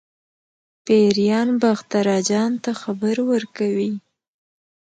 پیریان باختر اجان ته خبر ورکوي.